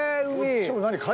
こっちも何？